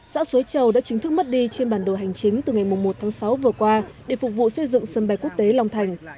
xã suối châu đã chính thức mất đi trên bản đồ hành chính từ ngày một tháng sáu vừa qua để phục vụ xây dựng sân bay quốc tế long thành